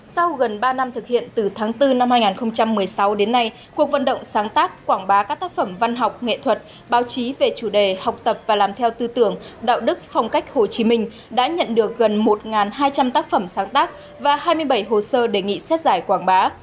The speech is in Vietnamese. sau gần ba năm thực hiện từ tháng bốn năm hai nghìn một mươi sáu đến nay cuộc vận động sáng tác quảng bá các tác phẩm văn học nghệ thuật báo chí về chủ đề học tập và làm theo tư tưởng đạo đức phong cách hồ chí minh đã nhận được gần một hai trăm linh tác phẩm sáng tác và hai mươi bảy hồ sơ đề nghị xét giải quảng bá